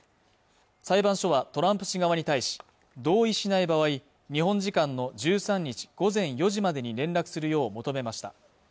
裁判所はトランプ氏側に対し同意しない場合日本時間の１３日午前４時までに連絡するよう求めました